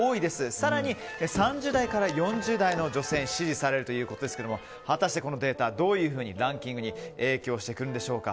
更に３０代から４０代の女性に支持されるということですが果たしてこのデータどういうふうにランキングに影響してくるのでしょうか。